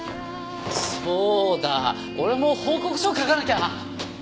そうだ俺も報告書を書かなきゃ！